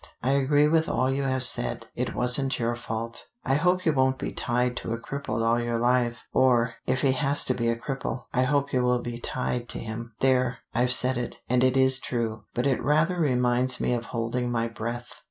I agree with all you have said: it wasn't your fault. I hope you won't be tied to a cripple all your life, or, if he has to be a cripple, I hope you will be tied to him. There! I've said it, and it is true, but it rather reminds me of holding my breath.